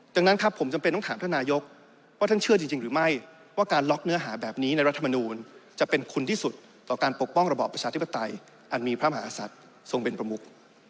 ดังนั้นครับผมจำเป็นต้องถามท่านนายกว่าท่านเชื่อจริงหรือไม่ว่าการล็อกเนื้อหาแบบนี้ในรัฐมนูลจะเป็นคุณที่สุดต่อการปกป้องระบอบประชาธิปไตยอันมีพระมหาศัตริย์ทรงเป็นประมุก